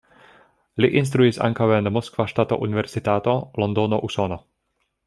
Li instruis ankaŭ en Moskva Ŝtata Universitato, Londono, Usono.